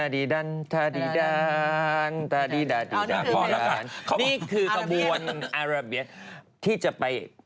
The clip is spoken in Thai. ร้องยังไงคะโบเรโระ